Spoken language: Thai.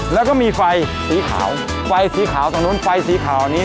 แล้วก็มีไฟสีขาวไฟสีขาวตรงนู้นไฟสีขาวนี้